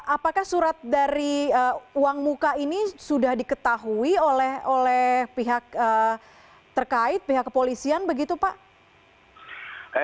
apakah surat dari uang muka ini sudah diketahui oleh pihak terkait pihak kepolisian begitu pak